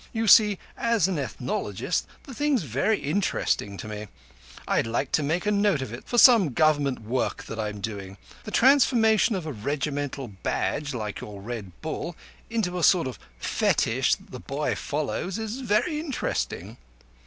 You see, as an ethnologist, the thing's very interesting to me. I'd like to make a note of it for some Government work that I'm doing. The transformation of a regimental badge like your Red Bull into a sort of fetish that the boy follows is very interesting."